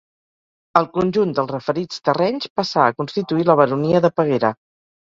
El conjunt dels referits terrenys passà a constituir la baronia de Peguera.